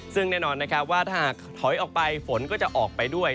ซึ่งแน่นอนว่าถ้าถอยออกไปฝนก็จะออกไปด้วย